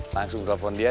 langsung telepon dia